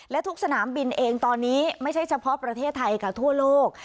และทุกสนามบินเองตอนนี้ไม่ใช่เฉพาะประเทศไทยค่ะทั่วโลก